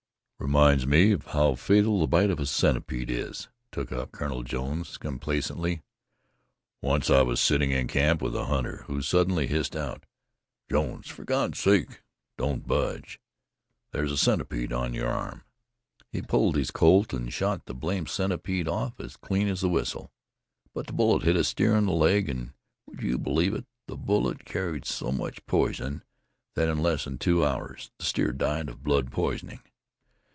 "Reminds me how fatal the bite of a centipede is," took up Colonel Jones, complacently. "Once I was sitting in camp with a hunter, who suddenly hissed out: 'Jones, for God's sake don't budge! There's a centipede on your arm!' He pulled his Colt, and shot the blamed centipede off as clean as a whistle. But the bullet hit a steer in the leg; and would you believe it, the bullet carried so much poison that in less than two hours the steer died of blood poisoning.